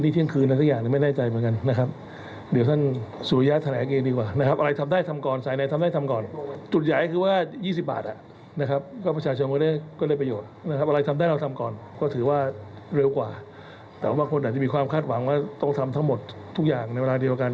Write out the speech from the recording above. แต่ว่าบางคนอาจจะมีความคาดหวังว่าต้องทำทั้งหมดทุกอย่างในเวลาเดียวกัน